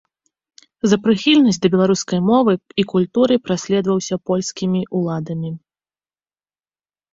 За прыхільнасць да беларускай мовы і культуры праследаваўся польскімі ўладамі.